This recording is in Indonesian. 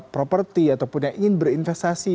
properti ataupun yang ingin berinvestasi